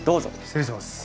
失礼します。